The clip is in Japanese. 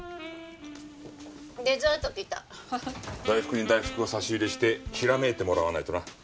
大福に大福を差し入れしてひらめいてもらわないとな。